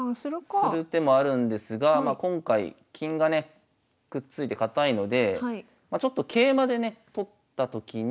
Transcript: する手もあるんですが今回金がねくっついて堅いのでちょっと桂馬でね取ったときに。